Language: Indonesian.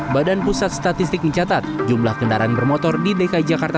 badan pusat statistik mencatat jumlah kendaraan bermotor di dki jakarta